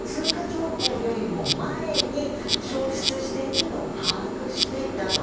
情報よりも前に消失していたと把握していたと。